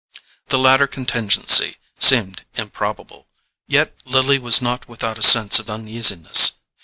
The latter contingency seemed improbable, yet Lily was not without a sense of uneasiness.